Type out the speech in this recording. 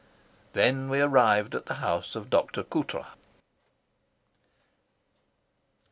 Then we arrived at the house of Dr. Coutras.